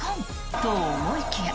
と、思いきや。